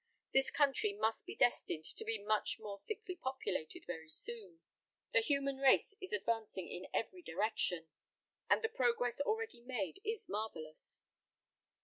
This country must be destined to be much more thickly populated very soon. The human race is advancing in every direction, and the progress already made is marvellous."